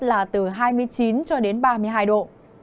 là từ hai mươi chín ba mươi hai độ